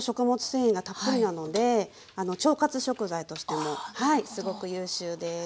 繊維がたっぷりなので腸活食材としてもすごく優秀です。